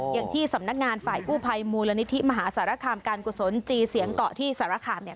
อย่างที่สำนักงานฝ่ายกู้ภัยมูลนิธิมหาสารคามการกุศลจีเสียงเกาะที่สารคามเนี่ย